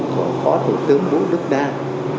của phó thủ tướng vũ đức đam